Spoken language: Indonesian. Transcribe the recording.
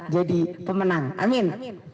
jadi pemenang amin